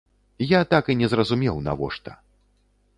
Я так і не зразумеў, навошта.